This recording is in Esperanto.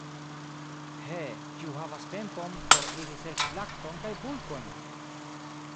He, kiu havas tempon, por iri serĉi lakton kaj bulkojn!